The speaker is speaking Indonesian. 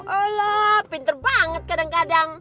allah pinter banget kadang kadang